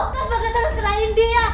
mas bagas harus cerain dia